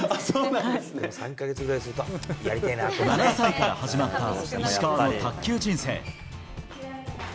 ７歳から始まった石川の卓球人生。